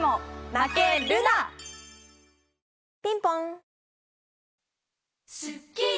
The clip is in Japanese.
ピンポン。